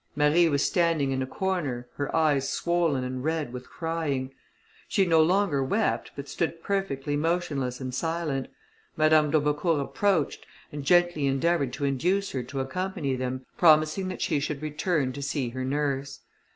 Marie was standing in a corner, her eyes swoln and red with crying. She no longer wept, but stood perfectly motionless, and silent. Madame d'Aubecourt approached, and gently endeavoured to induce her to accompany them, promising that she should return to see her nurse.